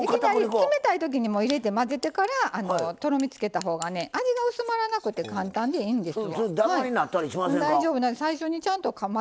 冷たいときに入れて混ぜてからとろみをつけたほうが味が薄まらなくて簡単でいいんです。